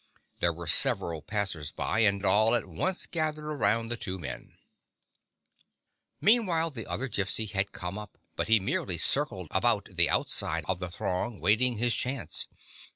There were several passers by, and all at once gathered around the two men. 21 GYPSY, THE TALKING DOG Meanwhile the other Gypsy had come up, but he merely circled about the outside of the throng, waiting his chance.